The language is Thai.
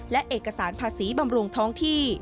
และเอกสารภาษีบำรุงท้องที่